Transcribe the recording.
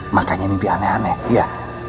makanya mimpi aneh aneh ya